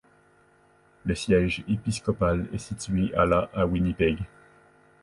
Le siège épiscopal est situé à la à Winnipeg.